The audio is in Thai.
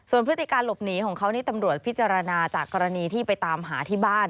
พฤติการหลบหนีของเขานี่ตำรวจพิจารณาจากกรณีที่ไปตามหาที่บ้าน